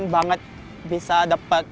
banget bisa dapat